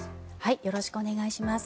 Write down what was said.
よろしくお願いします。